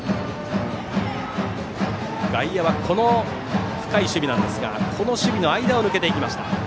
外野はこの深い守備なんですがその守備の間を抜けました。